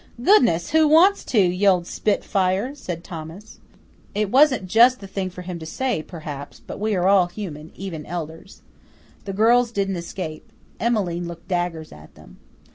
"Goodness, who wants to, you old spitfire?" said Thomas. It wasn't just the thing for him to say, perhaps, but we are all human, even elders. The girls didn't escape. Emmeline looked daggers at them.